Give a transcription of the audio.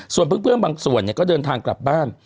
ส่วนเพื่อนบางส่วนก็เดินทางกลับบ้าน